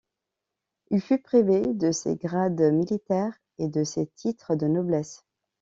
Il fut privé de ses grades militaires et de ses titres de noblesse.